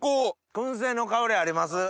燻製の香りあります。